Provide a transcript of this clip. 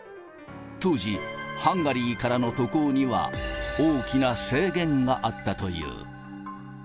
当時、ハンガリーからの渡航には大きな制限があったという。